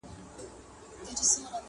هره ورځ لا جرګې کېږي د مېږیانو.!